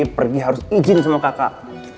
pergi harus izin sama kakak